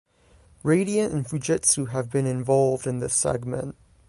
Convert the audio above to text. Radiant and Fujitsu have been involved in this segment.